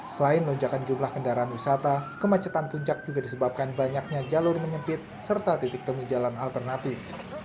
selain lonjakan jumlah kendaraan wisata kemacetan puncak juga disebabkan banyaknya jalur menyempit serta titik temu jalan alternatif